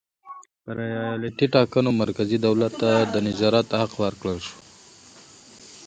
پر ایالتي ټاکنو مرکزي دولت ته د نظارت حق ورکړل شو.